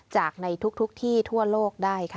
จากในทุกที่ทั่วโลกได้ค่ะ